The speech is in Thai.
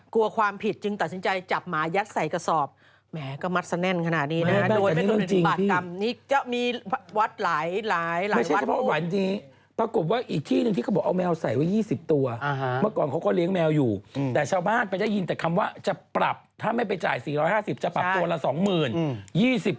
แต่ชาวบ้านไปได้ยินแต่คำว่าจะปรับถ้าไม่ไปจ่าย๔๕๐บาทจะปรับตัวละ๒๐๐๐๐บาท